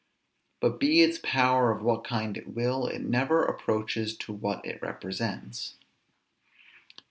But be its power of what kind it will, it never approaches to what it represents.